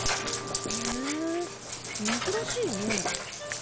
へ珍しいね。